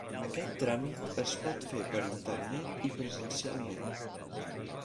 Aquest tràmit es pot fer per internet i presencialment.